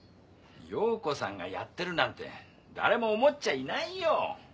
洋子さんがやってるなんて誰も思っちゃいないよ！